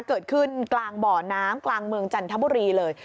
เกิดขึ้นกลางบ่อน้ำกลางเมืองจันทบุรีเลย